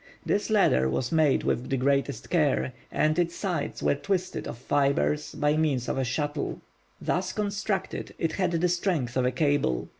This ladder was made with the greatest care, and its sides were twisted of fibres by means of a shuttle. Thus constructed, it had the strength of a cable.